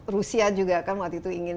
rusia juga kan waktu itu ingin